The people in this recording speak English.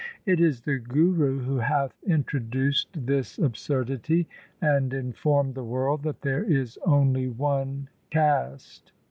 It is the Guru who hath introduced this absurdity, and informed the world that there is only one caste.